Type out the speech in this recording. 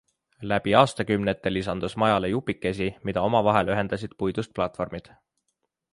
Läbi aastakümnete lisandus majale jupikesi, mida omavahel ühendasid puidust platvormid.